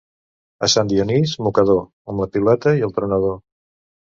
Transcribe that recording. A Sant Dionís, mocador, amb la piuleta i el tronador.